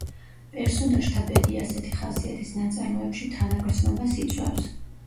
პერსონაჟთა ბედი ასეთი ხასიათის ნაწარმოებში თანაგრძნობას იწვევს.